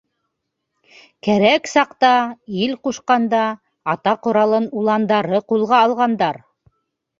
Кәрәк саҡта, ил ҡушҡанда, ата ҡоралын уландары ҡулға алғандар.